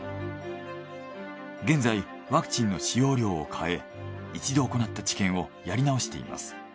現在ワクチンの使用量を変え一度行った治験をやり直しています。